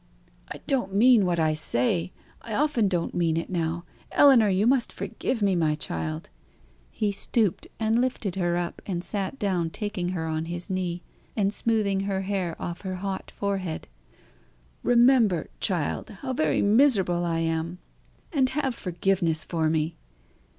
"I don't mean what I say. I often don't mean it now. Ellinor, you must forgive me, my child!" He stooped, and lifted her up, and sat down, taking her on his knee, and smoothing her hair off her hot forehead. "Remember, child, how very miserable I am, and have forgiveness for me.